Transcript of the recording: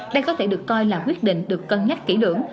đây có thể được coi là quyết định được cân nhắc kỹ lưỡng